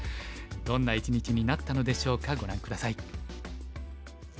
どんな一日になったのでしょうかご覧下さい。